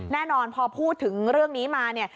แน่นอนพอพูดถึงเรื่องนี้มาเนี่ย